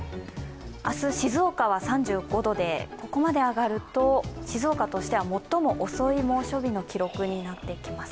明日静岡は３５度で、ここまで上がると静岡としては最も遅い猛暑日の記録になっていきます。